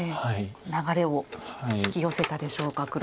流れを引き寄せたでしょうか黒。